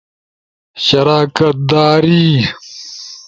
شراکت داری